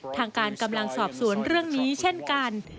ทางการกำลังสอบสวนเรื่องนี้เช่นกัน